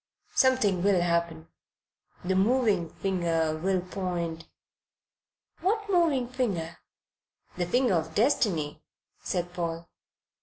"Something will happen. The 'moving finger' will point " "What moving finger?" "The finger of Destiny," said Paul.